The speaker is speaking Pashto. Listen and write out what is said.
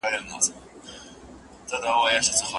ځان سره مهربانه اوسئ ترڅو نورو سره مهربان سئ.